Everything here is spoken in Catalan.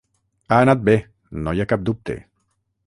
Ha anat bé; no hi ha cap dubte.